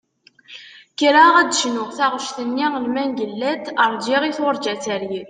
Kkreɣ ad d-cnuɣ taɣect-nni n Mengellat "Rğiɣ i turğa teryel".